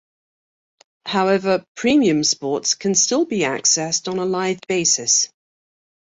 However, premium sports can still be accessed on a live basis.